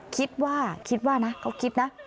คิดว่าคิดว่านะเขาคิดนะ